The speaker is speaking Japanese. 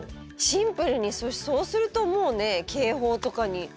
シンプルにそうするともう警報とかに。